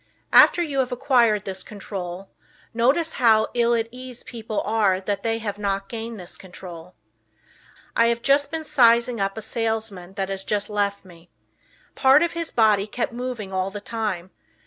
After you have acquired this control, notice how "ill at ease" people are that have not gained this control. I have just been sizing up a salesman that has just left me. Part of his body kept moving all the time.